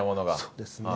そうですね。